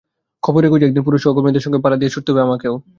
খবরের খোঁজে একদিন পুরুষ সহকর্মীদের সঙ্গে পাল্লা দিয়ে ছুটতে হবে আমাকেও।